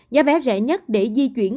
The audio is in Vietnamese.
gia vé rẻ nhất để di chuyển